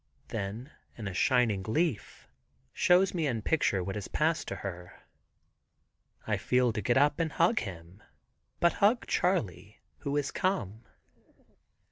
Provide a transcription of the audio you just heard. Then in a shining leaf shows me in picture what has passed to her. I feel to get up and hug him. But hug Charley who is come.